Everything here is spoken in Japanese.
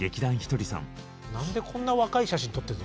何でこんな若い写真撮って。